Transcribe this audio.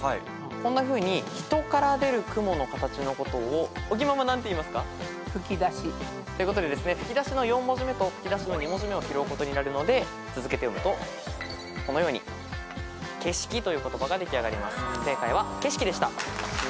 こんなふうに人から出る雲の形のことを尾木ママ何ていいますか？っていうことで「ふきだし」の４文字目と２文字目を拾うことになるので続けて読むとこのように「けしき」という言葉が出来上がります。